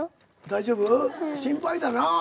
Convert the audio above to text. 大丈夫？心配だなぁ。